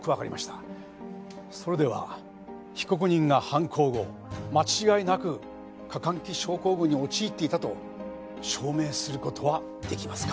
それでは被告人が犯行後間違いなく過換気症候群に陥っていたと証明する事は出来ますか？